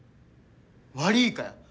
悪いかよ！